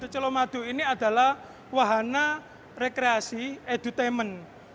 colomadu ini adalah wahana rekreasi edutainment